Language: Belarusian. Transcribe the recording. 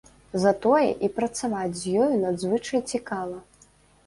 Затое і працаваць з ёю надзвычай цікава.